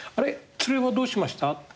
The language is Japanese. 連れはどうしました？